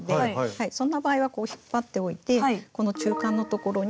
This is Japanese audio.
そんな場合はこう引っ張っておいてこの中間のところに。